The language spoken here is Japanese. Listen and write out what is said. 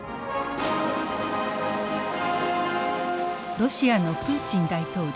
ロシアのプーチン大統領。